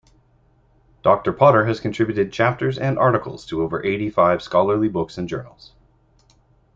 Doctor Potter has contributed chapters and articles to over eighty-five scholarly books and journals.